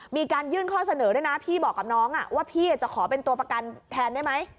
มีการยื่นข้อเสนอด้วยนะพี่บอกกับน้องว่าพี่จะขอเป็นตัวประกันแทนได้ไหม